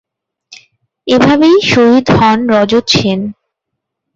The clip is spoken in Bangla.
এভাবেই শহিদ হন রজত সেন।